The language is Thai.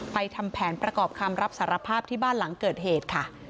ทำแผนประกอบคำรับสารภาพที่บ้านหลังเกิดเหตุค่ะ